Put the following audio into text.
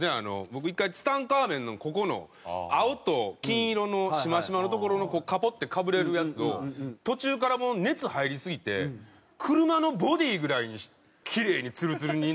僕１回ツタンカーメンのここの青と金色のしましまの所のカポッてかぶれるやつを途中から熱入りすぎて車のボディーぐらいキレイにツルツルになるまで。